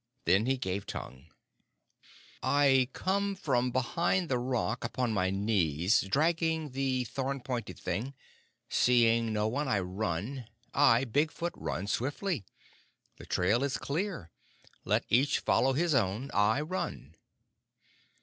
Then he gave tongue: "I come from behind the rock upon my knees, dragging the thorn pointed thing. Seeing no one, I run. I, Big Foot, run swiftly. The trail is clear. Let each follow his own. I run!"